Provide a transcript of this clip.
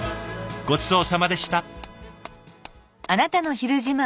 ごちそうさまでした。